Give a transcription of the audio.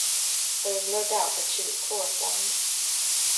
There is no doubt that she was chloroformed.